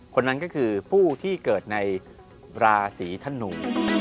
คนนั้นก็คือผู้ที่เกิดในราศีธนู